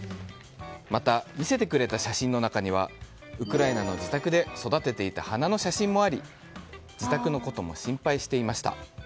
また、見せてくれた写真の中にはウクライナの自宅で育てていた花の写真もあり自宅のことも心配していました。